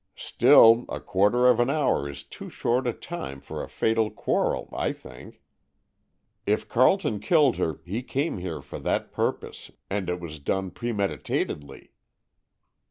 "Still, a quarter of an hour is too short a time for a fatal quarrel, I think. If Carleton killed her he came here for that purpose, and it was done premeditatedly."